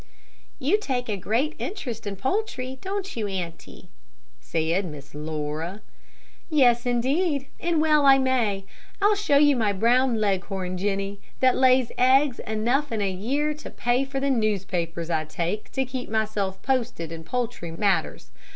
"You take a great interest in your poultry, don't you auntie?" said Miss Laura. "Yes, indeed, and well I may. I'll show you my brown Leghorn, Jenny, that lay eggs enough in a year to pay for the newspapers I take to keep myself posted in poultry matters.